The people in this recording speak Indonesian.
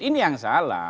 ini yang salah